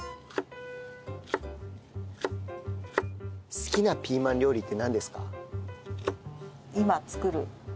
好きなピーマン料理ってなんですか？